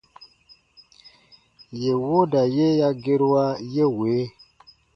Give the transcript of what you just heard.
Yè wooda ye ya gerua ye wee :